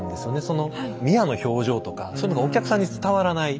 ミアの表情とかそういうのがお客さんに伝わらない。